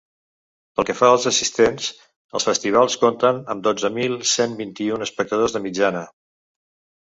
Pel que fa als assistents, els festivals compten amb dotze mil cent vint-i-un espectadors de mitjana.